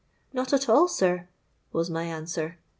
'—'Not at all, sir,' was my answer.